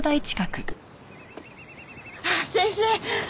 あっ先生！